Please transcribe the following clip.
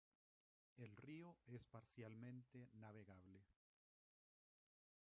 El río es parcialmente navegable.